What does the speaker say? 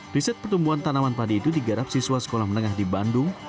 riset pertumbuhan tanaman padi itu digarap siswa sekolah menengah di bandung